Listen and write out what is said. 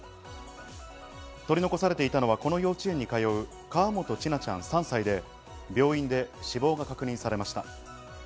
取り残されていたのはこの幼稚園に通う河本千奈ちゃん、３歳で病院で死亡が確認されました。